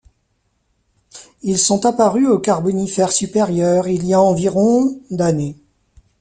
Ils sont apparus au Carbonifère supérieur, il y a environ d'années.